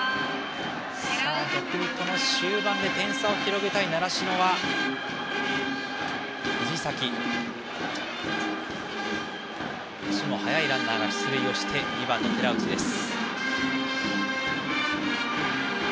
終盤で点差を広げたい習志野は足の速いランナーが出塁をして２番の寺内です。